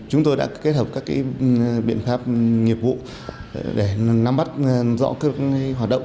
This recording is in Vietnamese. chúng tôi đã kết hợp các biện pháp nghiệp vụ để nắm bắt rõ các hoạt động